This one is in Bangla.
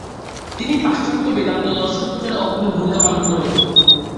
তিনি পাশ্চাত্যে বেদান্ত দর্শন প্রচারে অগ্রণী ভুমিকা পালন করেন।